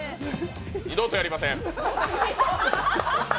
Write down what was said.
二度とやりません。